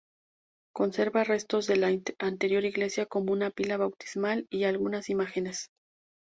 Conserva restos de la anterior iglesia como una pila bautismal y algunas imágenes.